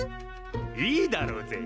・いいだろうぜよ。